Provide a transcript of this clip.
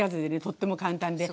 とっても簡単で。